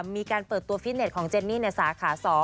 มีการเปิดตัวฟิตเน็ตของเจนนี่ในสาขา๒